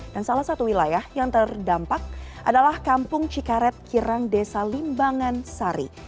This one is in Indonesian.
dan salah satu wilayah yang terdampak adalah kampung cikaret kirang desa limbangan sari